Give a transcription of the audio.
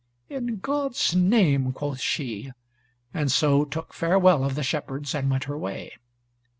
"In God's name," quoth she; and so took farewell of the shepherds, and went her way.